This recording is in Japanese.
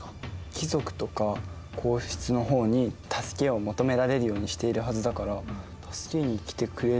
貴族とか皇室の方に助けを求められるようにしているはずだから助けに来てくれるんじゃないかな？